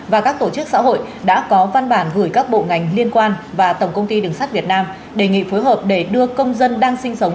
và các tổ chức xã hội đã có văn bản gửi các bộ ngành liên quan và tổng công ty đường sắt việt nam đề nghị phối hợp để đưa công dân đang sinh sống